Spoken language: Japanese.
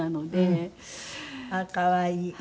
あっ可愛い。